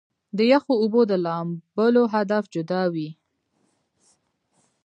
د يخو اوبو د لامبلو هدف جدا وي -